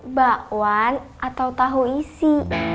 mbak wan atau tahu isi